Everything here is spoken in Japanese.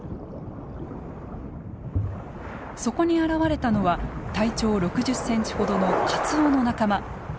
そこに現れたのは体長６０センチほどのカツオの仲間。